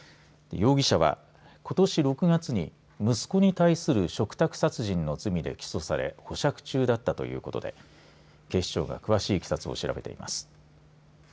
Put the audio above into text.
容疑者はことし６月に息子に対する嘱託殺人の罪で起訴され保釈中だったということで警視庁が詳しいいきさつを調べています。